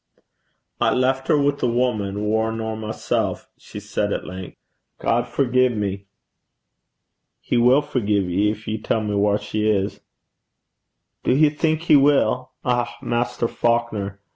'I left her wi' a wuman waur nor mysel',' she said at length. 'God forgie me.' 'He will forgie ye, gin ye tell me whaur she is.' 'Do ye think he will? Eh, Maister Faukner!